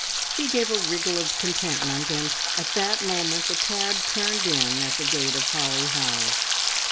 She gave a wriggle of contentment, and at that moment the cab turned in at the gate of Holly House.